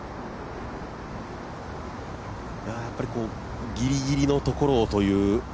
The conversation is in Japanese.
やっぱりぎりぎりのところをという。